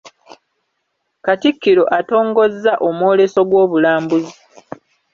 Katikkiro atongozza omwoleso gw’obulambuzi.